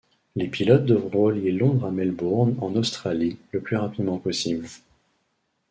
Les pilotes devront relier Londres à Melbourne en Australie le plus rapidement possible.